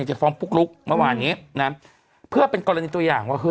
จะฟ้องปุ๊กลุ๊กเมื่อวานนี้นะเพื่อเป็นกรณีตัวอย่างว่าเฮ